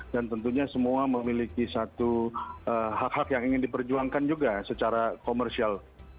dan tentunya semua memiliki satu hak hak yang ingin diperjuangkan juga secara komersial